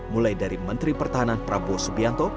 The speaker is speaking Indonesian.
mulai dari menteri pertahanan prabowo subianto